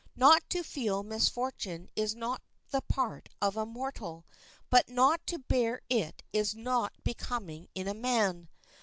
Not to feel misfortune is not the part of a mortal; but not to bear it is not becoming in a man.